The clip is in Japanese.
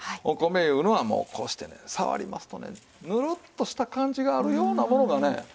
お米いうのはもうこうしてね触りますとねぬるっとした感じがあるようなものがね